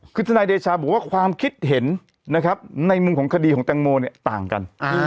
คือธนายเดชาบอกว่าความคิดเห็นในมุมของคดีแตงโมต่างกัน